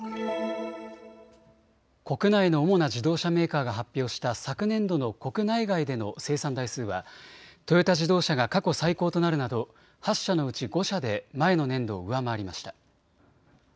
国内の主な自動車メーカーが発表した昨年度の国内外での生産台数はトヨタ自動車が過去最高となるなど８社のうち５社で前の年度を上回りました。